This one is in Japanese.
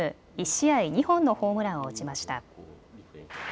１試合２本のホームランを打ちました。